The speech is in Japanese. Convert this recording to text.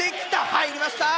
入りました！